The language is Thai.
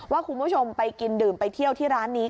ว่าคุณผู้ชมไปกินดื่มไปเที่ยวที่ร้านนี้